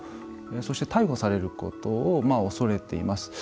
そして、逮捕されることを恐れています。